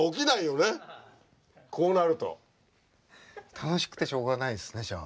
楽しくてしょうがないですねじゃあ。